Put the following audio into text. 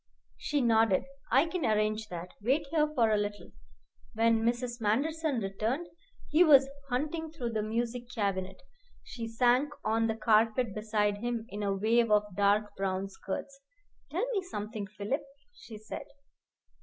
She nodded. "I can arrange that. Wait here for a little." When Mrs. Manderson returned, he was hunting through the music cabinet. She sank on the carpet beside him in a wave of dark brown skirts. "Tell me something, Philip," she said.